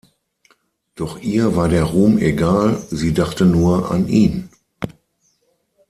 Doch ihr war der Ruhm egal, sie dachte nur an ihn.